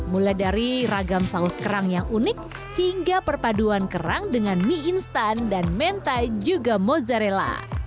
mulai dari ragam saus kerang yang unik hingga perpaduan kerang dengan mie instan dan mentai juga mozzarella